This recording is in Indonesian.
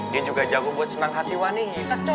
dia juga jago buat senang hati wanita nih